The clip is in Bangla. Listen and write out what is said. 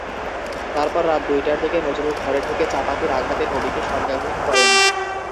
তারপর রাত দুইটার দিকে নজরুল ঘরে ঢুকে চাপাতির আঘাতে নবীকে সংজ্ঞাহীন করেন।